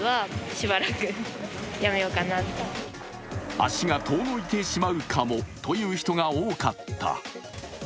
足が遠のいてしまうかもという人が多かった。